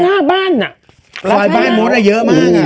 ในหน้าบ้านหลายบ้านม้วนอ่ะเยอะมาก